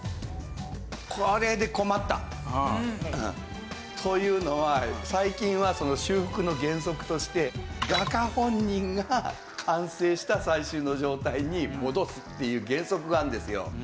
これでというのは最近は修復の原則として画家本人が完成した最終の状態に戻すっていう原則があるんですよ。